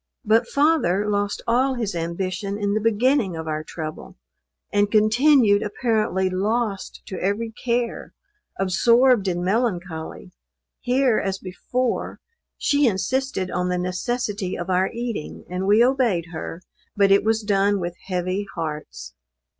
But father lost all his ambition in the beginning of our trouble, and continued apparently lost to every care absorbed in melancholy. Here, as before, she insisted on the necessity of our eating; and we obeyed her, but it was done with heavy hearts.